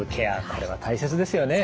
これは大切ですよね。